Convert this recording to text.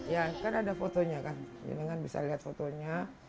ya kan ada fotonya kan dengan bisa lihat fotonya